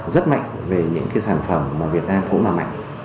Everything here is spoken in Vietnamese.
rất mạnh về những cái sản phẩm mà việt nam cũng làm mạnh